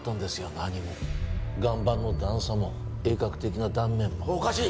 何も岩盤の段差も鋭角的な断面もおかしい